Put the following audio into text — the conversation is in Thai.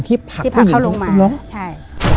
ที่ผักผู้หญิงที่ผักเขาลงมา